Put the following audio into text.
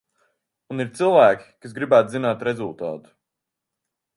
Un ir cilvēki, kas gribētu zināt rezultātu.